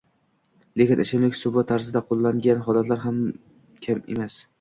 lekin ichimlik suvi tarzida qoʻllangan holatlar ham kam emas